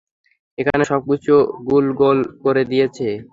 ওখানে সবকিছু গণ্ডগোল করে দিয়েছে।